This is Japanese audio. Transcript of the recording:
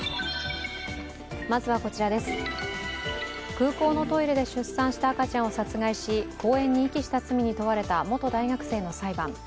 空港のトイレで出産した赤ちゃんを殺害し、公園に遺棄した罪に問われた元大学生の裁判。